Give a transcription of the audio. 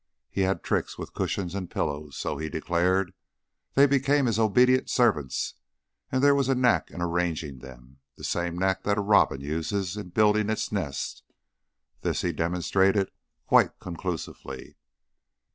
He had tricks with cushions and pillows, so he declared; they became his obedient servants, and there was a knack in arranging them the same knack that a robin uses in building its nest. This he demonstrated quite conclusively.